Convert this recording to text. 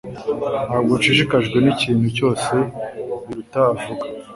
Ntabwo nshishikajwe n'ikintu cyose Biruta avuga